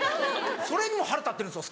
それにも腹立ってるんですよ